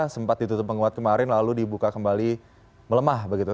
sempat ditutup penguat kemarin lalu dibuka kembali melemah begitu